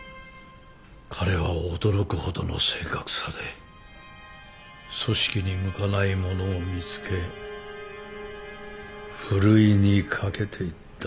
彼は驚くほどの正確さで組織に向かない者を見つけふるいにかけていった。